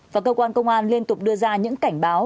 và cơ quan công an liên tục đưa ra những cảnh báo